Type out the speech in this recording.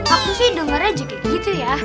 aku sih dengarnya aja kayak gitu ya